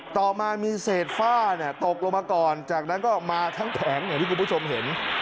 ต่อมามีเศษฝ้าตกลงมาก่อนจากนั้นก็มาทั้งแผงอย่างที่คุณผู้ชมเห็น